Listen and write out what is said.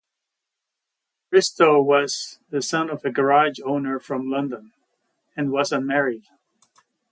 Bristow was the son of a garage owner from London, and was unmarried.